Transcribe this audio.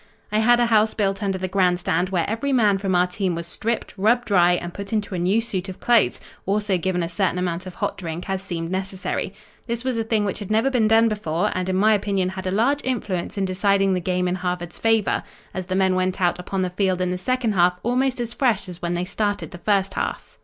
"I had a house built under the grandstand where every man from our team was stripped, rubbed dry and put into a new suit of clothes, also given a certain amount of hot drink as seemed necessary. This was a thing which had never been done before, and in my opinion had a large influence in deciding the game in Harvard's favor; as the men went out upon the field in the second half almost as fresh as when they started the first half.